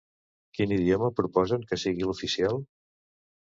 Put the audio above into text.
Quin idioma proposen que sigui l'oficial?